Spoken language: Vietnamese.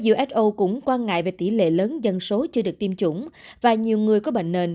uso cũng quan ngại về tỷ lệ lớn dân số chưa được tiêm chủng và nhiều người có bệnh nền